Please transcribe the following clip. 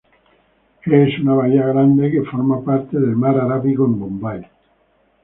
Es una bahía grande que forma parte del Mar Arábigo en Bombay.